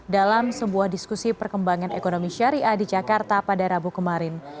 dalam sebuah diskusi perkembangan ekonomi syariah di jakarta pada rabu kemarin